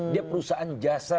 dia perusahaan jasa